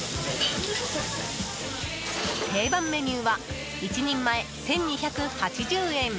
定番メニューは１人前１２８０円。